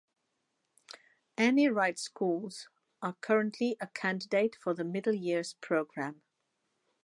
Annie Wright Schools are currently a candidate for the Middle Years Programme.